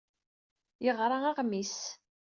Yeɣra aɣmis.